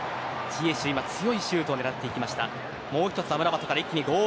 ジエシュ、強いシュートを狙っていきました。